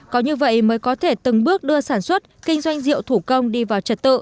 có như vậy mới có thể từng bước đưa sản xuất kinh doanh rượu thủ công đi vào trật tự